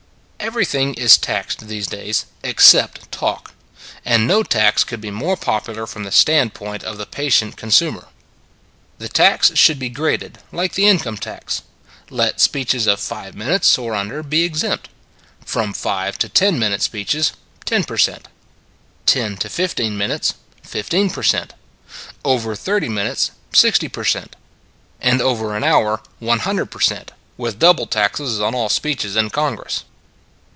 Everything is taxed these days except talk: and no tax could be more popular from the standpoint of the patient con sumer. The tax should be graded, like the in come tax. Let speeches of five minutes or under be exempt; from five to ten minute speeches, ten per cent; ten to fifteen min H4 It s a Good Old World utes, fifteen per cent. Over thirty min utes, sixty per cent; and over an hour 100 per cent, with double taxes on all speeches in Congress.